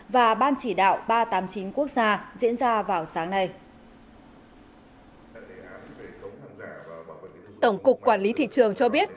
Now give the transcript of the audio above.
và ban chỉ đạo ba trăm tám mươi chín quốc gia diễn ra vào sáng nay tổng cục quản lý thị trường cho biết